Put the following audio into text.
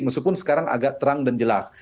meskipun sekarang agak terang dan jelas